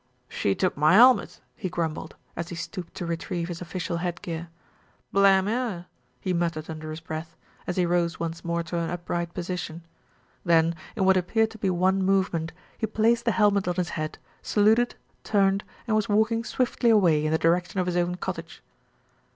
"She took my 'elmet," he grumbled, as he stooped to retrieve his official headgear. "Blaam her !" he mut tered under his breath, as he rose once more to an up right position. Then, in what appeared to be one movement, he placed the helmet on his head, saluted, turned, and was walking swiftly away in the direction of his own cottage.